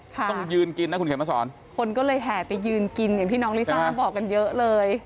ต้องยืนกินนะคุณเขียนมาสอนคนก็เลยแห่ไปยืนกินอย่างที่น้องลิซ่าบอกกันเยอะเลย